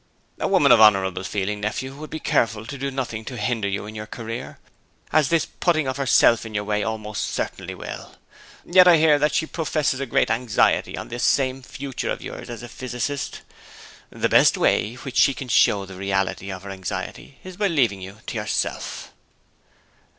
'A woman of honourable feeling, nephew, would be careful to do nothing to hinder you in your career, as this putting of herself in your way most certainly will. Yet I hear that she professes a great anxiety on this same future of yours as a physicist. The best way in which she can show the reality of her anxiety is by leaving you to yourself.'